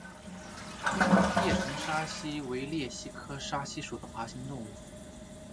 叶城沙蜥为鬣蜥科沙蜥属的爬行动物。